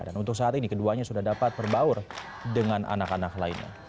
dan untuk saat ini keduanya sudah dapat berbaur dengan anak anak lainnya